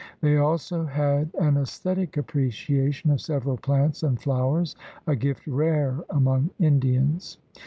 They also had an esthetic appreciation of several plants and flowers — a gift rare among Indians.